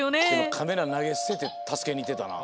カメラ投げ捨てて助けに行ってたな。